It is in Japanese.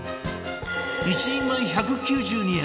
１人前１９２円